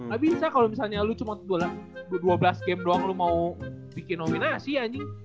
ga bisa kalau misalnya lu cuma dua belas game doang lu mau bikin nominasi anjing